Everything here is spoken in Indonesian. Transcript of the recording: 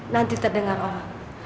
nanti terdengar orang